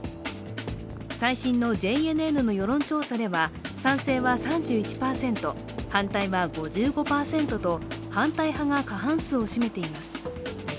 最新のＪＮＮの世論調査では、賛成は３１％、反対は５５％と反対派が過半数を占めています。